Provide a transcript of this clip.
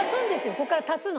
ここから足すの。